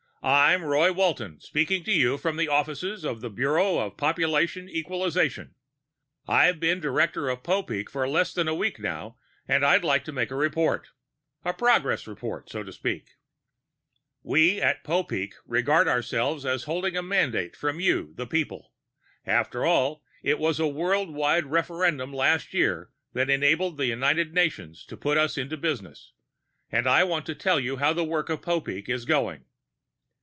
"I'm Roy Walton, speaking to you from the offices of the Bureau of Population Equalization. I've been director of Popeek for a little less than a week, now, and I'd like to make a report a progress report, so to speak. "We of Popeek regard ourselves as holding a mandate from you, the people. After all, it was the world wide referendum last year that enabled the United Nations to put us into business. And I want to tell you how the work of Popeek is going.